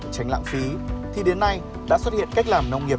tránh lãng phí thì đến nay đã xuất hiện cách làm nông nghiệp